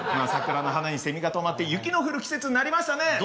桜の花にセミが止まって雪の降る季節になりましたね。